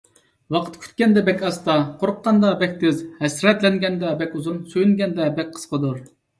ۋاقىت كۈتكەندە بەك ئاستا، قورققاندا بەك تېز، ھەسرەتلەنگەندە بەك ئۇزۇن، سۆيۈنگەندە بەك قىسقىدۇر.